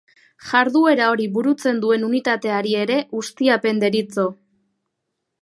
Jarduera hori burutzen duen unitateari ere ustiapen deritzo.